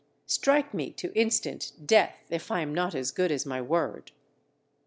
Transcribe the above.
Strike me to instant D if I am not as good as my word.